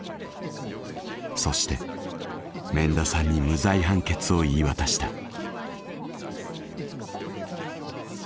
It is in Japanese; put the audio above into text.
そして免田さんに無罪判決を言い渡した。